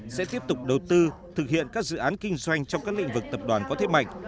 sẽ tiếp tục đầu tư thực hiện các dự án kinh doanh trong các lĩnh vực tập đoàn có thế mạnh